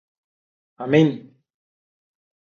Αμήν.